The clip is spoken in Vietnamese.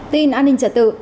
tin an ninh trật tự